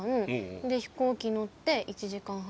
で飛行機乗って１時間半。